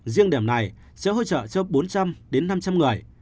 riêng điểm này sẽ hỗ trợ cho bốn trăm linh đến năm trăm linh người